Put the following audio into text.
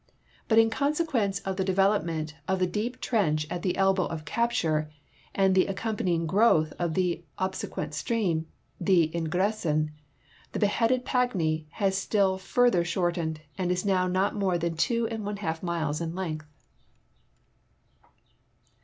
But in conseciuence of the develop ment of the dee() trench at the elbow of capture and the accom })anving growth of the obsequent stream — the Ingressin — the l)eheaded Pagny has been still further shortened and is now not more than two and one half miles in length.